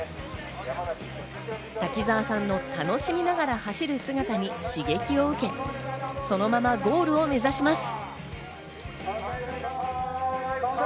滝沢さんの楽しみながら走る姿に刺激を受け、そのままゴールを目指します。